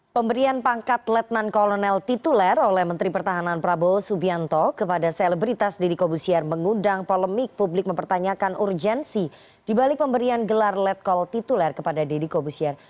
pemberian pangkat letnan kolonel tituler oleh menteri pertahanan prabowo subianto kepada selebritas deddy kobusier mengundang polemik publik mempertanyakan urgensi dibalik pemberian gelar letkol tituler kepada deddy kobusier